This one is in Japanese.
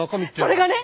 それがね！